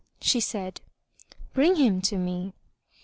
She said, "Bring him to me."